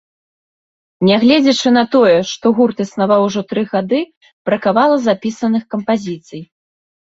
Нягледзячы на тое, што гурт існаваў ужо тры гады, бракавала запісаных кампазіцый.